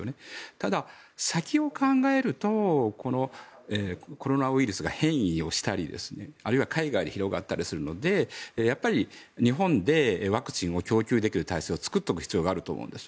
ただ、先を考えるとコロナウイルスが変異をしたりあるいは海外で広がったりするのでやっぱり日本でワクチンを供給できる体制を作っておく必要があるんです。